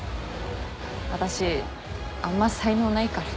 私あんま才能ないから。